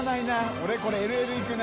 俺これＬＬいくな。